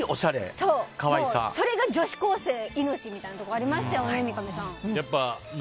そう、それが女子高生の命みたいなところがありましたよね。